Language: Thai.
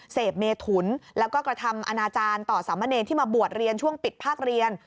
เสพเมถุนแล้วก็กระทำอนาจารย์ต่อสามเณรที่มาบวชเรียนช่วงปิดภาคเรียน